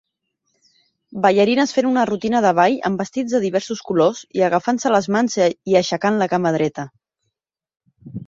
Ballarines fent una rutina de ball amb vestits de diversos colors i agafant-se les mans i aixecant la cama dreta.